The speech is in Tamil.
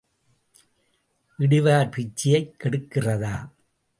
இடுவார் பிச்சையைக் கெடுக்கிறதா?